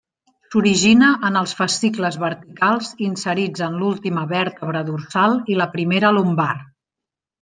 S'origina en els fascicles verticals inserits en l'última vèrtebra dorsal i la primera lumbar.